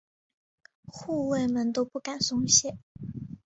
护卫们都不敢松懈。